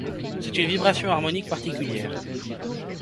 C'est une vibration harmonique particulière.